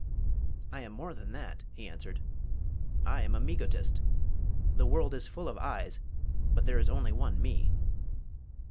"I am more than that," he answered. "I am a Megotist. The world is full of I's, but there is only one Me."